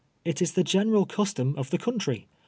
It is the general custom of the countrj.